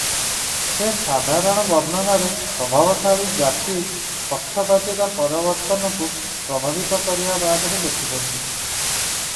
ସେ ସାଧାରଣ ବର୍ଣ୍ଣନାରେ ପ୍ରଭାବଶାଳୀ ଜାତି-ପକ୍ଷପାତିତା ପରିବର୍ତ୍ତନକୁ ପ୍ରଭାବିତ କରିବା ବାଦରେ ଲେଖିଛନ୍ତି ।